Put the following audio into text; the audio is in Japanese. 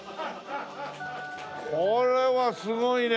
これはすごいね。